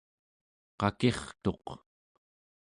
qakirtuq